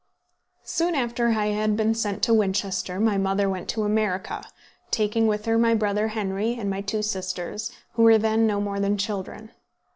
Soon after I had been sent to Winchester, my mother went to America, taking with her my brother Henry and my two sisters, who were then no more than children.